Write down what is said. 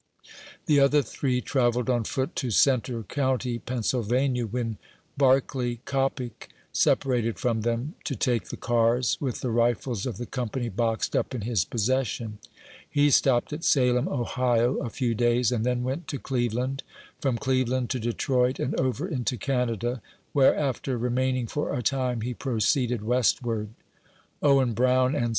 The other three trav elled on foot to Centre County, Pennsylvania, when Barclay Coppie separated from them, to take the cars, with the rifles of the company boxed tip in his possession. He stopped at Salem, Ohio, a few days, and then went to Cleveland ; from, Cleveland to Detroit; and over into Canada, where, after re maining for a time, he proceeded westward. Owen Brown and C.